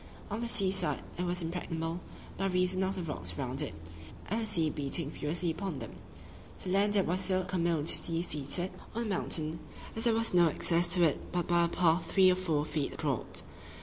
On the sea side it was impregnable, by reason of the rocks round it, and the sea beating furiously upon them. To the land it was so commodiously seated on a mountain, as there was no access to it but by a path three or four feet broad.